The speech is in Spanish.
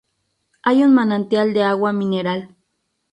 Hay un manantial de agua mineral.